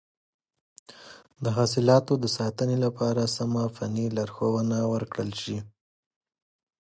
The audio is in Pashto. د حاصلاتو د ساتنې لپاره سمه فني لارښوونه ورکړل شي.